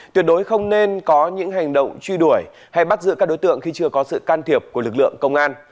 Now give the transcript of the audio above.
tuyệt đối không nên có những hành động truy đuổi hay bắt giữ các đối tượng khi chưa có sự can thiệp của lực lượng công an